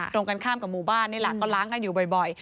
ตรงกันข้ามกับหมู่บ้านนี่แหละก็ล้างกันอยู่บ่อย